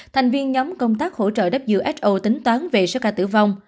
thành viên nhóm công tác hỗ trợ who tính toán về số ca tử vong